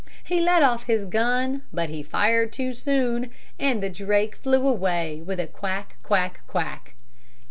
He let off his gun, but he fired too soon, And the drake flew away with a quack, quack, quack.